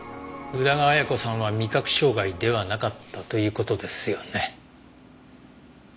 宇田川綾子さんは味覚障害ではなかったという事ですよね？